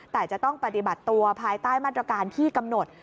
แต่จะต้องปฏิบัติตัวภายใต้มาตรการที่กำหนด